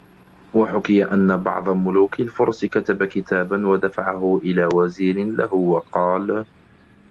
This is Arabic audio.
وَحُكِيَ أَنَّ بَعْضَ مُلُوكِ الْفُرْسِ كَتَبَ كِتَابًا وَدَفَعَهُ إلَى وَزِيرٍ لَهُ وَقَالَ